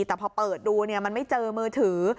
แต่พอเปิดดูมันไม่เจอมือถือ